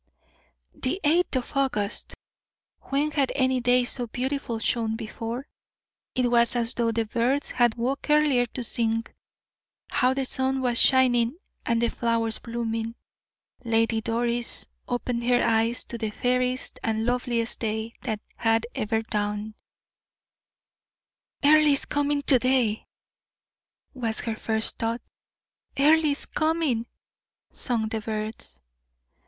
The eighth of August! When had any day so beautiful shone before? It was as though the birds had woke earlier to sing. How the sun was shining and the flowers blooming! Lady Doris opened her eyes to the fairest and loveliest day that had ever dawned. "Earle is coming to day!" was her first thought. "Earle is coming!" sung the birds.